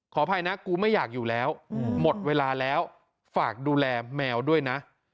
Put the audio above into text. อภัยนะกูไม่อยากอยู่แล้วหมดเวลาแล้วฝากดูแลแมวด้วยนะ